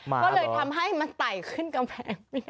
ก็เลยทำให้มันไต่ขึ้นกำแพง